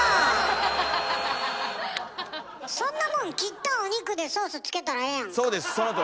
そんなもん切ったお肉でソースつけたらええやんか。